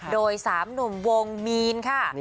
โดย๓หนุ่มวงมีนค่ะ